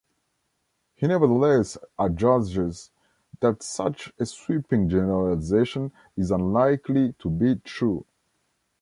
He nevertheless adjudges that such a sweeping generalisation is unlikely to be true.